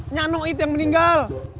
nyanoid yang meninggal